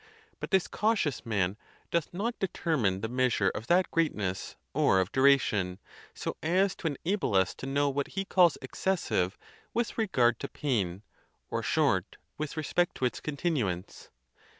But this cautious man doth not deter mine the measure of that greatness or of duration, so as to enable us to know what he calls excessive with regard to pain, or short with respect to its continuance.